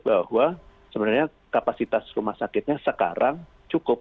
bahwa sebenarnya kapasitas rumah sakitnya sekarang cukup